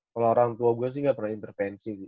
kalo orang tua gua sih ga pernah intervensi